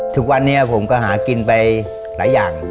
ทุกวันนี้ผมก็หากินไปหลายอย่าง